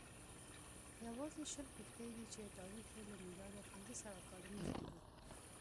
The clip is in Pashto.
یوازې شل کښتۍ دي چې تاریخ یې له میلاده پنځه سوه کاله مخکې دی